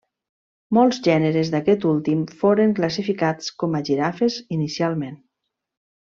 Molts gèneres d'aquest últim foren classificats com a girafes inicialment.